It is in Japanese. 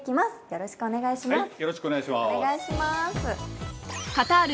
よろしくお願いします。